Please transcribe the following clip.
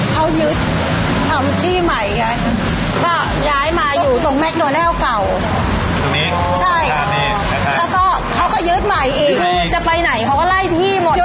คือลุงทีทีผมเนี่ย